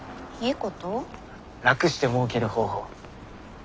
楽してもうける方法。